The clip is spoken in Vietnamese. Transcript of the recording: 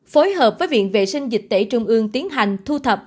phối hợp với viện vệ sinh dịch tễ trung ương tiến hành thu thập